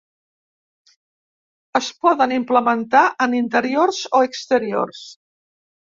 Es poden implementar en interiors o exteriors.